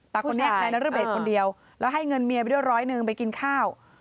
คนนี้นายนรเบศคนเดียวแล้วให้เงินเมียไปด้วยร้อยหนึ่งไปกินข้าว